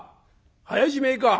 早じめえか。